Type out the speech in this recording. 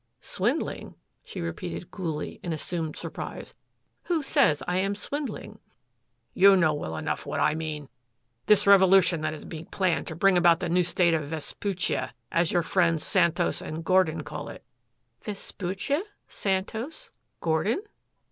"Swindling?" she repeated coolly, in assumed surprise. "Who says I am swindling?" "You know well enough what I mean this revolution that is being planned to bring about the new state of Vespuccia, as your friends Santos and Gordon call it." "Vespuccia Santos Gordon?"